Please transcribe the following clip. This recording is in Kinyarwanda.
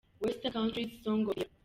Western counties song of the year.